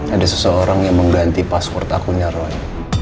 ada seseorang yang mengganti password akunya roy